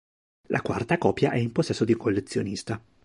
La quarta copia è in possesso di un collezionista.